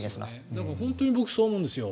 だから本当に僕そう思うんですよ。